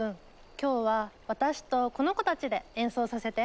今日は私とこの子たちで演奏させて。